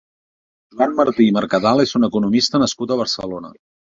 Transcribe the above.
Joan Martí i Mercadal és un economista nascut a Barcelona.